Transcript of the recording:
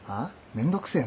めんどくせえな。